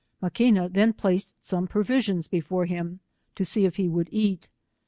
Maquina then placed gome provision before him, to see if he would eat.